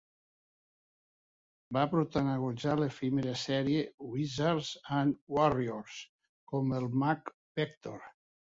Va protagonitzar l'efímera sèrie "Wizards and Warriors" com el mag Vector.